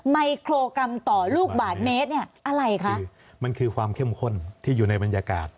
ไมโครกรัมต่อลูกบาทเมตรเนี่ยอะไรคะคือมันคือความเข้มข้นที่อยู่ในบรรยากาศ